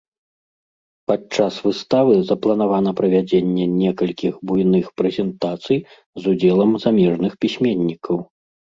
Падчас выставы запланавана правядзенне некалькіх буйных прэзентацый з удзелам замежных пісьменнікаў.